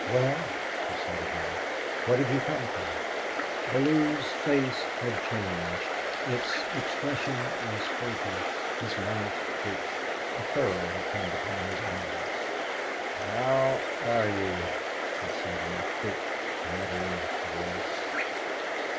"Well," she said again; "what have you come for?" Bellew's face had changed. Its expression was furtive; his mouth twitched; a furrow had come between his eyes. "How are you?" he said in a thick, muttering voice.